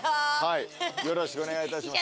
よろしくお願いします。